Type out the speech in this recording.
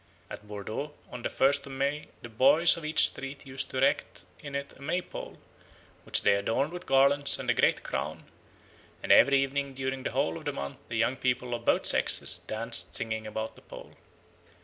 At Bordeaux on the first of May the boys of each street used to erect in it a May pole, which they adorned with garlands and a great crown; and every evening during the whole of the month the young people of both sexes danced singing about the pole.